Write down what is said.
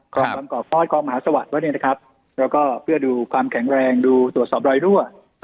กรองความก่อฟอสกรองมหาสวรรค์แล้วก็เพื่อดูความแข็งแรงดูตรวจสอบรอยรั่ว